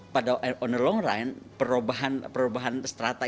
pada on the long run perubahan serata itu akan berubah